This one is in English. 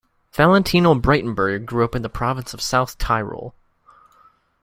Valentino Braitenberg grew up in the province of South Tyrol.